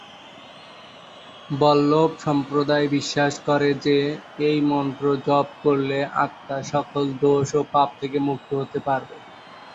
বল্লভ সম্প্রদায় বিশ্বাস করে যে, এই মন্ত্র জপ করলে আত্মা সকল দোষ ও পাপ থেকে মুক্ত হতে পারবে।